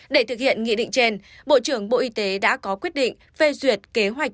để thực hiện nghị định trên bộ trưởng bộ y tế đã có quyết định phê duyệt kế hoạch